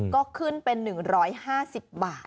ก็ขึ้นเป็น๑๕๐บาท